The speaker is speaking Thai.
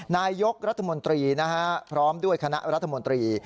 นายกรัฐมนตรีพร้อมด้วยคณะรัฐมนตรี